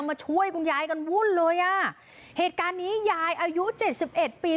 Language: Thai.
มาช่วยคุณยายกันวุ่นเลยอ่ะเหตุการณ์นี้ยายอายุเจ็ดสิบเอ็ดปี